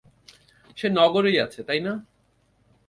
সে নগরেই আছে, তাই না?